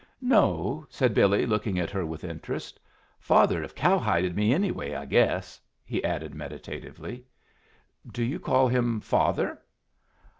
"No," said Billy, looking at her with interest. "Father 'd have cowhided me anyway, I guess," he added, meditatively. "Do you call him father?"